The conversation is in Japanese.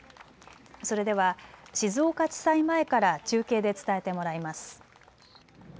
それでは静岡地裁前から中継で伝えてもらいます。